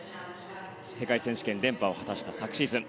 世界選手権連覇を果たした昨シーズン。